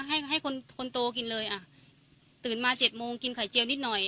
ให้ให้คนคนโตกินเลยอ่ะตื่นมาเจ็ดโมงกินไข่เจียวนิดหน่อย